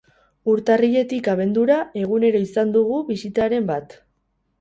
Urtarriletik abendura egunero izan dugu bisitariren bat.